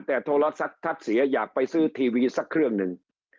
แต่โทรศัพท์ทับเสียอยากไปซื้อทีวีสักเครื่องหนึ่ง